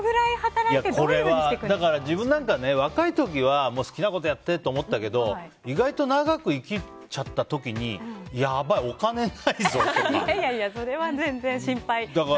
自分なんか、若い時は好きなことやってって思ったけど意外と長く生きちゃった時にやばい、お金ないぞとか。